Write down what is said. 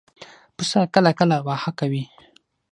پسه کله کله واهه کوي.